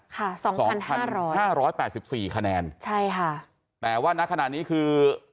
สองพันห้าร้อยห้าร้อยแปดสิบสี่คะแนนใช่ค่ะแต่ว่าณขณะนี้คือ